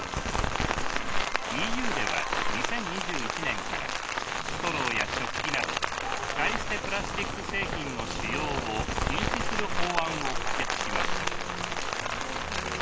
ＥＵでは２０２１年からストローや食器など使い捨てプラスチック製品の使用を禁止する法案を可決しました。